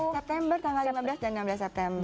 september tanggal lima belas dan enam belas september